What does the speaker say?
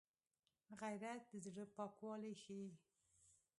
غیرت د زړه پاکوالی ښيي